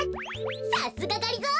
さすががりぞー！